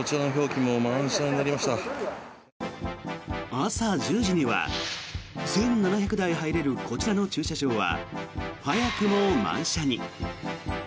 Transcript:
朝１０時には１７００台入れるこちらの駐車場は早くも満車に。